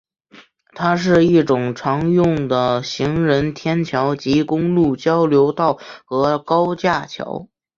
它是一种常用的行人天桥及公路交流道和高架桥。